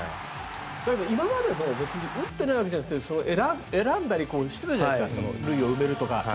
今までも打ってないわけじゃなくて選んだりしてたじゃないですか塁を埋めるとか。